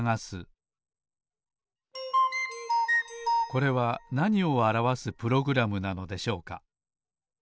これはなにをあらわすプログラムなのでしょうか？